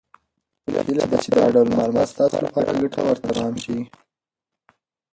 هیله ده چې دا ټول معلومات ستاسو لپاره ګټور تمام شي.